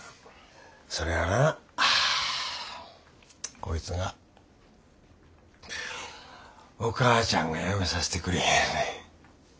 それはなこいつがお母ちゃんがやめさせてくれへんねん。